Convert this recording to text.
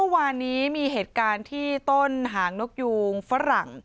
เมื่อวานนี้มีเหตุการณ์ที่ต้นหางนกยูงฝรั่ง